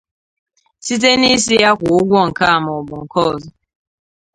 site n'ịsị ya kwụọ ụgwọ nke a maọbụ nke ọzọ.